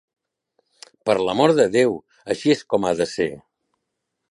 Per l'amor de Déu! Així és com ha de ser!